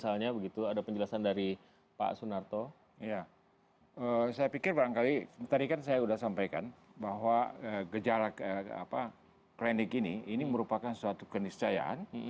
saya pikir barangkali tadi kan saya sudah sampaikan bahwa gejala klinik ini ini merupakan suatu keniscayaan